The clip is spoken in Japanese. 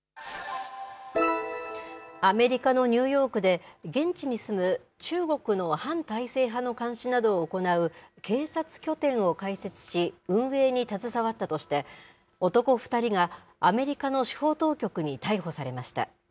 アメリカのニューヨークで、現地に住む中国の反体制派の監視などを行う警察拠点を開設し、運営に携わったとして、男２人がアメリカの司法当局に逮捕されました。